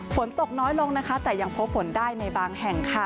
ฝนตกน้อยลงนะคะแต่ยังพบฝนได้ในบางแห่งค่ะ